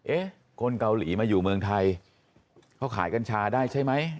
เอ๊ะคนเกาหลีมาอยู่เมืองไทยเขาขายกัญชาได้ใช่ไหม